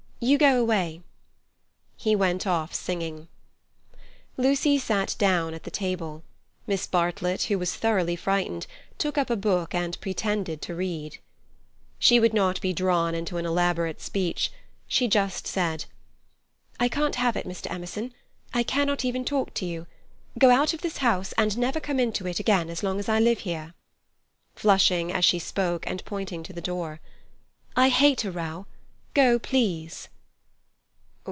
You go away." He went off singing. Lucy sat down at the table. Miss Bartlett, who was thoroughly frightened, took up a book and pretended to read. She would not be drawn into an elaborate speech. She just said: "I can't have it, Mr. Emerson. I cannot even talk to you. Go out of this house, and never come into it again as long as I live here—" flushing as she spoke and pointing to the door. "I hate a row. Go please."